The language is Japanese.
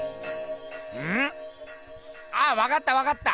うん？あっわかったわかった！